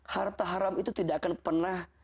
harta haram itu tidak akan pernah